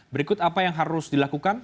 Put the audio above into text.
berikut apa yang harus dilakukan